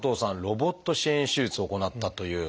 ロボット支援手術を行ったという。